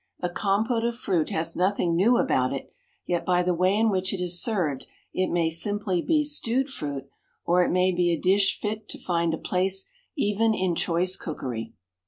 A compote of fruit has nothing new about it, yet by the way in which it is served it may simply be "stewed fruit," or it may be a dish fit to find a place even in choice cookery.